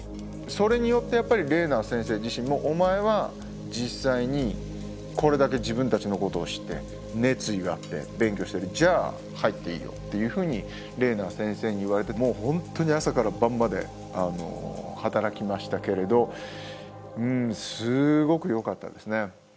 それによってやっぱりレーナー先生自身もお前は実際にこれだけ自分たちのことを知って熱意があって勉強してるじゃあ入っていいよっていうふうにレーナー先生に言われてもう本当に朝から晩まで働きましたけれどすごくよかったですね。